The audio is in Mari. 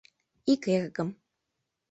Ик эргым.